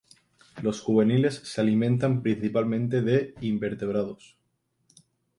Los juveniles se alimentan principalmente de invertebrados.